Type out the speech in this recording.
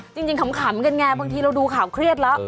ขำกันไงบางทีเราดูข่าวเครียดแล้ว